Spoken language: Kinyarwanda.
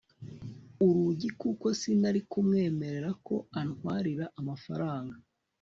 urugi kuko sinari kumwemerera ko antwarira amafaranga